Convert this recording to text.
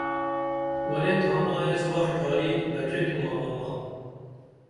ورے تھانا ایس وخ ڇھاری دڇھی تُھمہ اماں